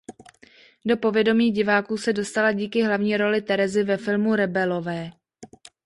Do povědomí diváků se dostala díky hlavní roli Terezy ve filmu "Rebelové".